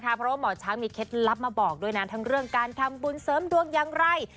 เพราะว่าหมอช้างมีเคล็ดลับมาบอกด้วยนะทั้งเรื่องการทำบุญเสริมดวงอย่างไร